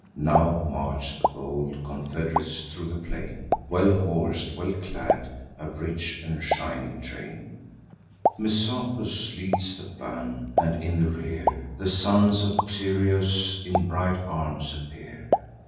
Now march the bold confed'rates thro' the plain, Well hors'd, well clad; a rich and shining train. Messapus leads the van; and, in the rear, The sons of Tyrrheus in bright arms appear.